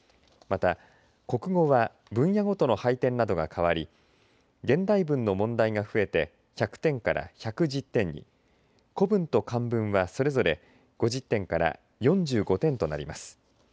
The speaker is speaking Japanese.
また、国語は分野ごとの配点などが変わり現代文の問題が増えて１００点から１１０点に古文と漢文はそれぞれ５０点から４５点となります。